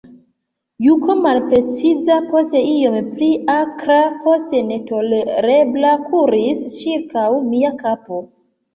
Juko malpreciza, poste iom pli akra, poste netolerebla, kuris ĉirkaŭ mia kapo.